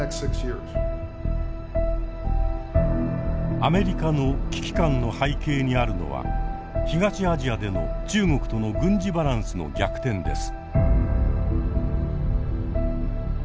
アメリカの危機感の背景にあるのは東アジアでの中国との軍事バランスの逆転です。